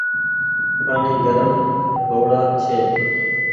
پآڻيٚ گرم هو وڙآ ڇي ۔